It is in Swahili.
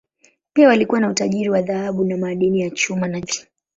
Pia walikuwa na utajiri wa dhahabu na madini ya chuma, na chumvi.